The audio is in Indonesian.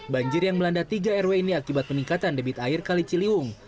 banjir yang melanda tiga rw ini akibat peningkatan debit air kali ciliwung